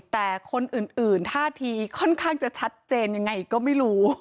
แต่คนอื่นท่าทีค่อนข้างจะชัดเจนยังไงก็ไม่รู้